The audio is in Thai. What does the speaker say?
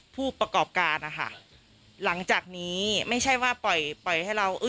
ผู้ประกอบการนะคะหลังจากนี้ไม่ใช่ว่าปล่อยปล่อยให้เรา